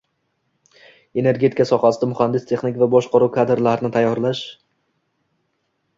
energetika sohasida muhandis-texnik va boshqaruv kadrlarini tayyorlash